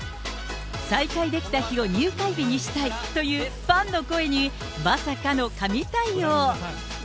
再会できた日を入会日にしたいというファンの声に、まさかの神対応。